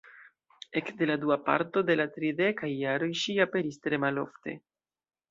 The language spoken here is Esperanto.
Ekde la dua parto de la tridekaj jaroj ŝi aperis tre malofte.